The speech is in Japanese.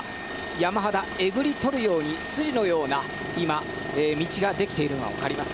山肌、えぐり取るように水路のような道ができているのが分かります。